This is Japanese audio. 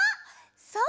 そう！